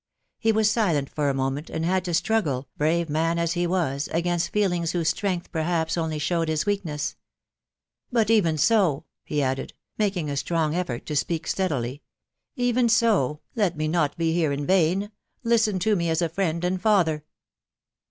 .... He was silent for a moment, and had to struggle, brave man as he was, against feelings whose strength, perhaps, only showed his weakness " But even so," he added, making a strong effort to speak steadily, "even so; let me not be here in vain ; listen to me as a friend and father.